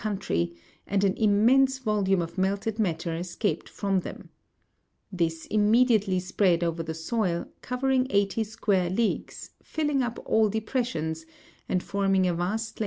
117 country, and an immense volume of melted matter escaped from them. This immediately spread over the soil, covering eighty square leagues, filling up all depressions, and forming a vast lake of fire of considerable depth.